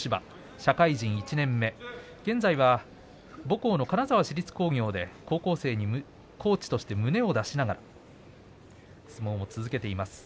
社会人１年目、現在は母校の金沢市立工業で高校生にコーチとして胸を出しながら相撲を続けています。